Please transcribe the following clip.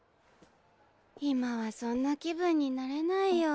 今はそんな気分になれないよ。